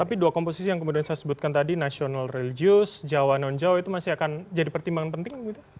tapi dua komposisi yang kemudian saya sebutkan tadi national religius jawa non jawa itu masih akan jadi pertimbangan penting